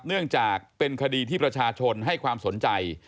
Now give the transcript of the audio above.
เนื่องจากเป็นคดีที่ประชาชนให้ความสนใจ